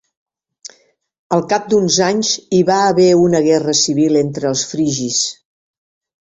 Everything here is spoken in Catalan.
Al cap d'uns anys hi va haver una guerra civil entre els frigis.